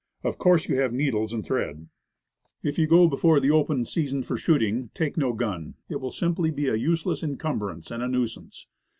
Of course you have needles and thread. If you go before the open season for shooting, take no gun. It will simply be a useless incumbrance and a nuisance.